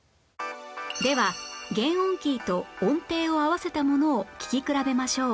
では原音キーと音程を合わせたものを聴き比べましょう